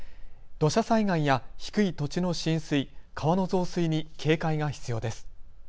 土砂災害や低い土地の浸水、川の増水に警戒が必要です。